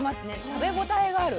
食べ応えがある。